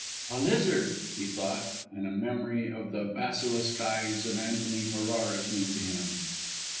"A lizard!" he thought; and a memory of the basilisk eyes of Antony Ferrara came to him.